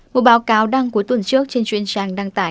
một báo cáo đăng cuối tuần trước trên truyền trang đăng tải